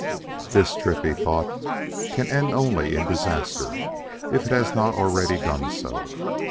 "This trip," he thought, "can end only in disaster if it has not already done so.